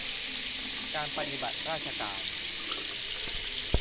การปฏิบัติราชการ